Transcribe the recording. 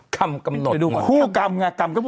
ครับมีประเด็นที่อะไรนะ